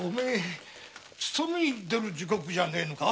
勤めに出かける時刻じゃねぇのか？